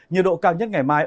nhiệt độ cao nhất ngày mai